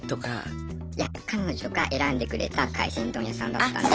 いや彼女が選んでくれた海鮮丼屋さんだったんで。